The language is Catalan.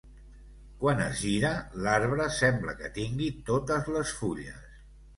Quan es gira, l'arbre sembla que tingui totes les fulles.